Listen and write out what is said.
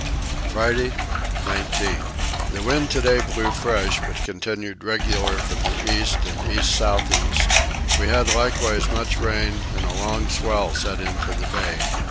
Friday 19. The wind today blew fresh but continued regular from the east and east south east. We had likewise much rain and a long swell set into the bay.